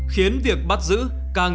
khiến việc bắt giữ càng